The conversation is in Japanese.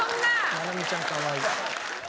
麻菜美ちゃんかわいい。